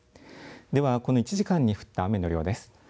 ではこの１時間に降った雨の量です。